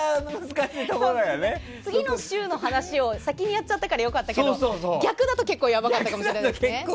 次の週の話を先にやっちゃったから良かったけど、逆だと結構やばかったかもしれないですよね。